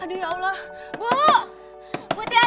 aduh ya allah bu bu tiana bu